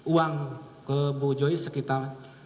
uang ke bu joy sekitar